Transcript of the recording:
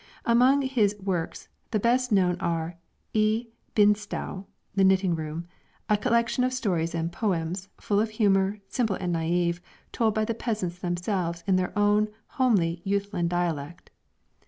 Among his works the best known are 'E Bindstouw' (The Knitting room), a collection of stories and poems, full of humor, simple and naive, told by the peasants themselves in their own homely Jutland dialect.